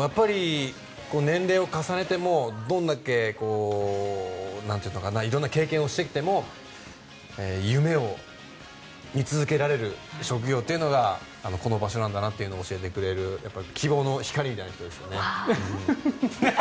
やっぱり年齢を重ねてもどれだけいろんな経験をしてきても夢を見続けられる職業というのがこの場所なんだなと教えてくれる希望の光みたいな人ですね。